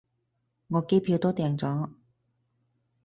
我機票都訂咗